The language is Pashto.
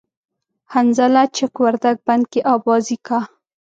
حنظله چک وردگ بند کی آبازی کا